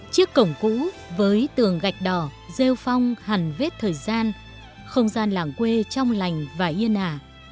chiếc cổng cũ với tường gạch đỏ rêu phong hẳn vết thời gian không gian làng quê trong lành và yên ả